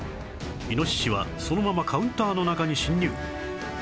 イノシシはそのままカウンターの中に侵入